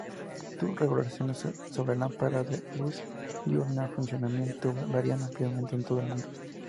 Las regulaciones sobre lámparas de luz diurna funcionamiento varían ampliamente en todo el mundo.